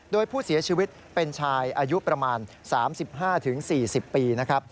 โดยผู้เสียชีวิตเป็นชายอายุประมาณ๓๕๔๐ปีนะครับ